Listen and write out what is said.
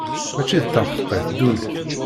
Mačči d taḥeqqit ddunit.